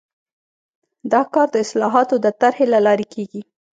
دا کار د اصلاحاتو د طرحې له لارې کیږي.